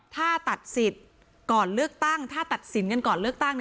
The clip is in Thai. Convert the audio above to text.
ถ้าตัดสิทธิ์ก่อนเลือกตั้งถ้าตัดสินกันก่อนเลือกตั้ง